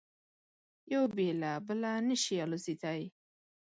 یو بې له بله نه شي الوزېدای.